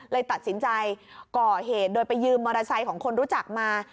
เลยตัดสินใจก่อเหตุโดยไปยืมมอเตอร์ไซค์ของคนรู้จักมา